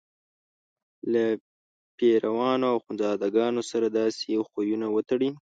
له پیرانو او اخندزاده ګانو سره داسې خویونه وتړي.